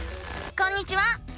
こんにちは！